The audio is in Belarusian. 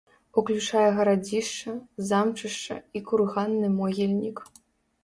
Уключае гарадзішча, замчышча і курганны могільнік.